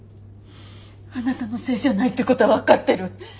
あなたのせいじゃないって事はわかってる。